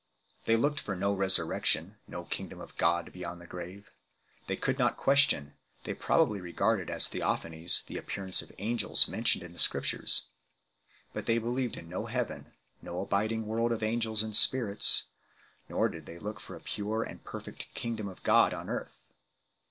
They looked for no resurrection, no Kingdom of God beyond the grave. They could not question, they probably regarded as theophanies, the appearances of angels mentioned in the Scriptures ; but they believed in no heaven, no abiding world of angels and spirits; nor did they look for a pure and perfect Kingdom of God on earth 2